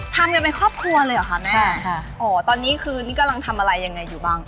ทำกันเป็นครอบครัวเลยเหรอคะแม่ค่ะโอ้ตอนนี้คือนี่กำลังทำอะไรยังไงอยู่บ้าง